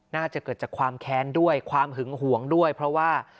น่าจะเกิดจากความแค้นด้วยความหึงหวงด้วยเพราะว่า